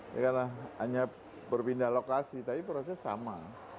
ya karena hanya berpindah lokasi tapi prosesnya sama